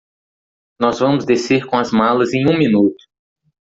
Nós vamos descer com as malas em um minuto.